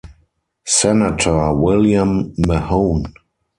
Senator William Mahone.